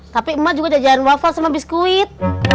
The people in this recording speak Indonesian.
tapi emak juga jajan waffle sama biskuit